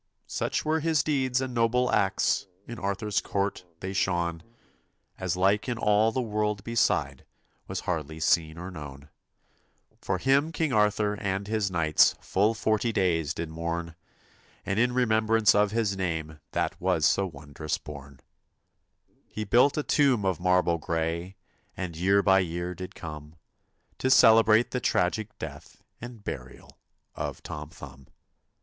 Such were his deeds and noble acts, In Arthur's court they shone, As like in all the world beside Was hardly seen or known. 205 TOM For him King Arthur and his knights THUMB Full forty days did mourn, And in remembrance of his name That was so wondrous born, He built a tomb of marble gray And year by year did come To celebrate the tragic death And burial of Tom Thumb.